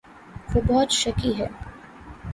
وہ بہت شکی ہے۔